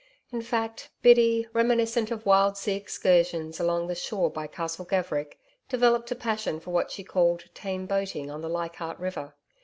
In fact, Biddy, reminiscent of wild sea excursions along the shore by Castle Gaverick, developed a passion for what she called tame boating on the Leichardt River.